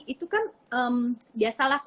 itu kan biasalah kan ya